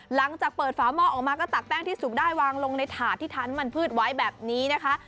หลังจากเปิดฝาหม้อออกมาก็ตักแป้งที่สุกได้วางลงในถาดที่ทันมันพืชไว้แบบนี้นะคะ